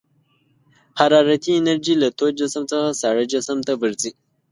حرارتي انرژي له تود جسم څخه ساړه جسم ته ورځي.